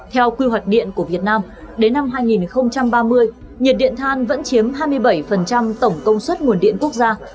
theo quy hoạch điện của việt nam đến năm hai nghìn ba mươi nhiệt điện than vẫn chiếm hai mươi bảy tổng công suất nguồn điện quốc gia